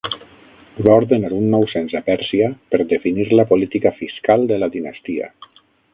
Va ordenar un nou cens a Pèrsia per definir la política fiscal de la Dinastia.